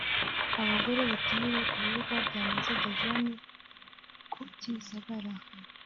abagore bakinire ku bibuga bya Maison des Jeunes ku Kimisagara